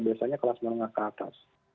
biasanya kelas menengah ke atas